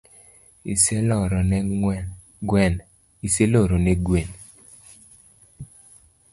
Iseloro ne gwen?